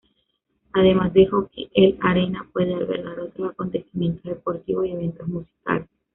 Además de hockey, el arena puede albergar otros acontecimientos deportivos y eventos musicales.